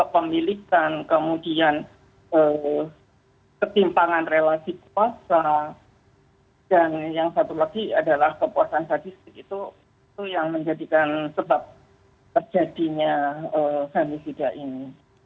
pemilikan kemudian ketimpangan relasi kuasa dan yang satu lagi adalah kepuasan sadistik itu yang menjadikan sebab terjadinya femisida ini